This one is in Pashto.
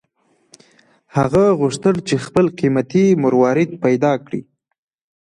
هغه غوښتل چې خپل قیمتي مروارید پیدا کړي.